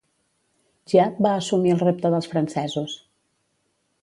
Giap va assumir el repte dels francesos.